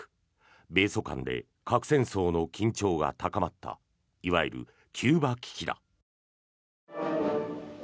米ソ間で核戦争の緊張が高まったいわゆるキューバ危機だ。